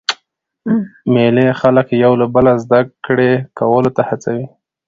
مېلې خلک یو له بله زده کړي کولو ته هڅوي.